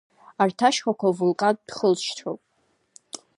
Арҭ ашьхақәа вулкантә хылҵшьҭроуп.